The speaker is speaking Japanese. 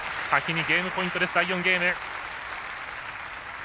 先にゲームポイント、第４ゲーム。